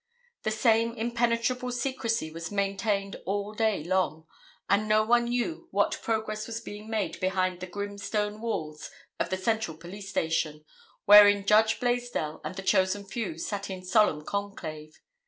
The same impenetrable secrecy was maintained all day long, and no one knew what progress was being made behind the grim stone walls of the Central Police Station wherein Judge Blaisdell and the chosen few sat in solemn conclave.